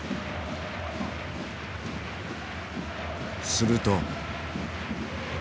すると。